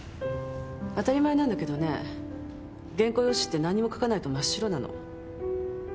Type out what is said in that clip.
当たり前なんだけどね原稿用紙って何にも書かないと真っ白なの。